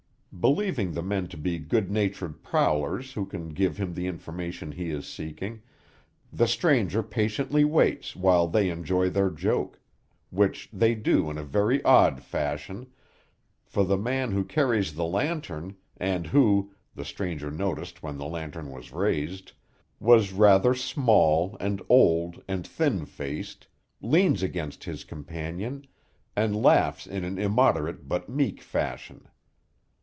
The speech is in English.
Believing the men to be good natured prowlers who can give him the information he is seeking, the stranger patiently waits while they enjoy their joke; which they do in a very odd fashion, for the man who carries the lantern, and who, the stranger noticed when the lantern was raised, was rather small, and old, and thin faced, leans against his companion, and laughs in an immoderate but meek fashion.